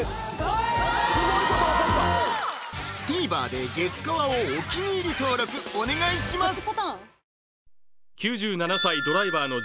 ＴＶｅｒで「月カワ」をお気に入り登録お願いします！